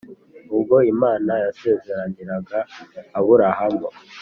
Ubwo Imana yasezeraniraga Aburahamu